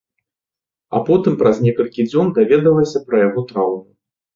А потым праз некалькі дзён даведалася пра яго траўму.